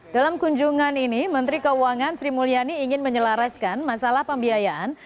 dalam kunjungan ini menteri keuangan sri mulyani ingin menyelaraskan masalah pembiayaan